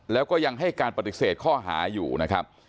แล้วก็ยังให้การปฏิเสธข้อหาอยู่นะครับ